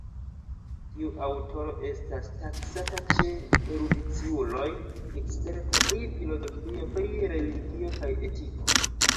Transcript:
Tiu aŭtoro estas taksata, ĉe erudiciuloj, eksperto pri filozofio, pri religio kaj etiko.